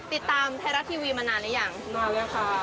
ติดตามเทราะทีวีมานานหรือยังนานแล้ว